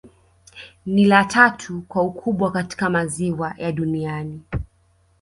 Ni la tatu kwa ukubwa katika maziwa yote Duniani